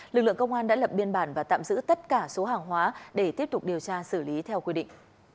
lực lượng công an đã lập biên bản và tạm giữ tất cả số hàng hóa để tiếp tục điều tra xử lý theo quy định